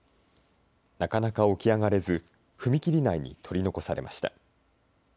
なかなか起き上がれず、踏切内に取り残されました。